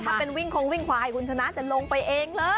ถ้าเป็นวิ่งคงวิ่งควายคุณชนะจะลงไปเองเลย